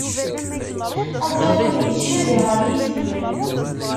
Aziḍud yettcabi ɣer yitbir.